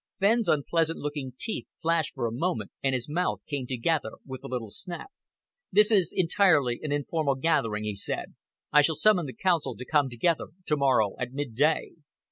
Fenn's unpleasant looking teeth flashed for a moment, and his mouth came together with a little snap. "This is entirely an informal gathering," he said. "I shall summon the Council to come together tomorrow at midday."